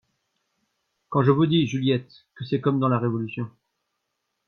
Quand je vous dis, Juliette, que c’est comme dans la révolution.